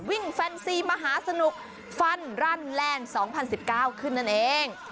แฟนซีมหาสนุกฟันรันแลนด์๒๐๑๙ขึ้นนั่นเอง